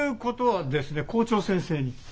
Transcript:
校長先生に。